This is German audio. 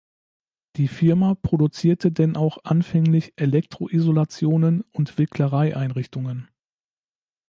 Die Firma produzierte denn auch anfänglich Elektro-Isolationen und Wicklerei-Einrichtungen.